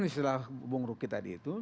setelah hubung ruki tadi itu